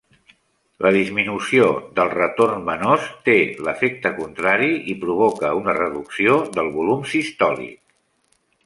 La disminució del retorn venós té l'efecte contrari i provoca una reducció del volum sistòlic.